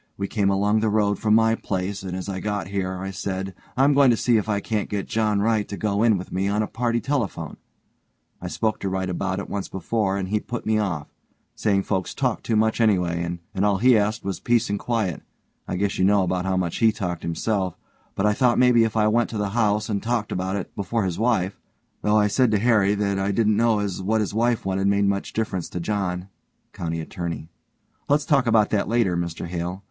We came along the road from my place and as I got here I said, I'm going to see if I can't get John Wright to go in with me on a party telephone.' I spoke to Wright about it once before and he put me off, saying folks talked too much anyway, and all he asked was peace and quiet I guess you know about how much he talked himself; but I thought maybe if I went to the house and talked about it before his wife, though I said to Harry that I didn't know as what his wife wanted made much difference to John COUNTY ATTORNEY: Let's talk about that later, Mr Hale.